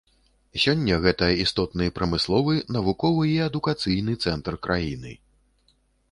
Сёння гэта істотны прамысловы, навуковы і адукацыйны цэнтр краіны.